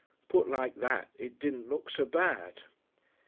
Put like that it didn't look so bad.